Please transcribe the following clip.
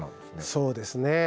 そうですね。